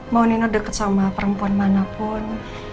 mau ninur deket sama perempuan manapun